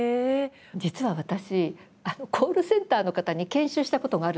実は私コールセンターの方に研修したことがあるんですよ。